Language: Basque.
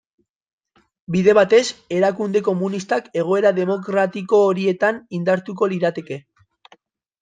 Bide batez, erakunde komunistak egoera demokratiko horietan indartuko lirateke.